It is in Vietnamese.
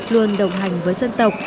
luôn đồng hành với dân tộc